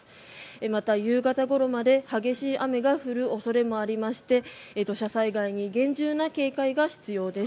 また夕方ごろまで激しい雨が降る恐れもありまして土砂災害に厳重な警戒が必要です。